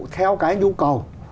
theo cái nhu cầu